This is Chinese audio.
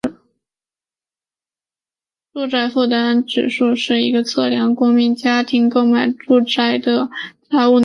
住宅负担能力指数是一个测量国民家庭购买住宅的财务能力的一项指数。